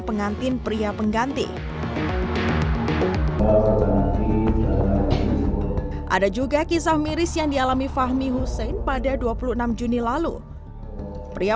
pengantin pria pengganti ada juga kisah miris yang dialami fahmi hussein pada dua puluh enam juni lalu pria